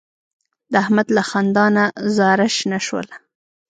د احمد له خندا نه زاره شنه شوله.